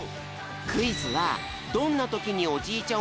クイズはどんなときにおじいちゃん